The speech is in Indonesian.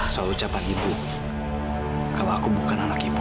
selalu ucapan ibu kalau aku bukan anak ibu